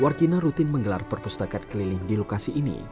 warkina rutin menggelar perpustakaan keliling di lokasi ini